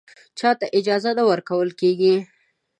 چا ته اجازه نه ورکول کېږي